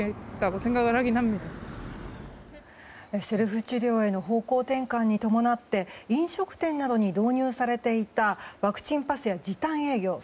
セルフ治療への方向転換に伴って飲食店などに導入されていたワクチンパスや時短営業